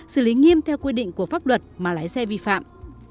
xử lý nghiêm theo quy định của pháp luật mà lái xe vi phạm